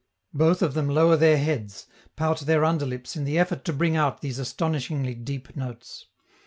Both of them lower their heads, pout their underlips in the effort to bring out these astonishingly deep notes.